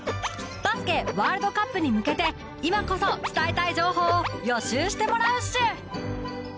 バスケワールドカップに向けて今こそ伝えたい情報を予習してもらうっシュ！